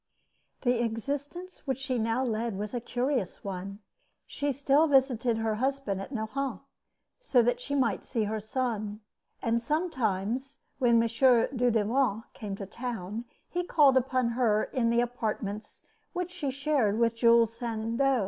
The existence which she now led was a curious one. She still visited her husband at Nohant, so that she might see her son, and sometimes, when M. Dudevant came to town, he called upon her in the apartments which she shared with Jules Sandeau.